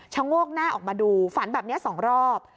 โงกหน้าออกมาดูฝันแบบนี้๒รอบ